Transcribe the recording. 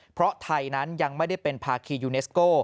เพราะไทยนั้นยังไม่ได้เป็นภาคียูเนสโก้